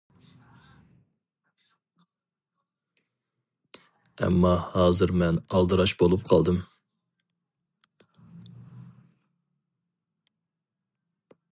ئەمما ھازىر مەن ئالدىراش بولۇپ قالدىم.